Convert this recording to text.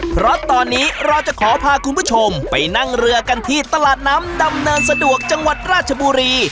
เพราะตอนนี้เราจะขอพาคุณผู้ชมไปนั่งเรือกันที่ตลาดน้ำดำเนินสะดวกจังหวัดราชบุรี